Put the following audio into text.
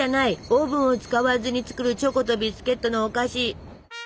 オーブンを使わずに作るチョコとビスケットのお菓子。